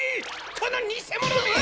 このにせものめ！